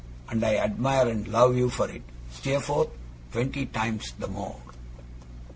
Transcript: And I admire and love you for it, Steerforth, twenty times the more!